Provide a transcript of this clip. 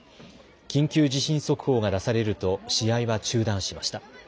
緊急地震速報が出されると試合は中断しました。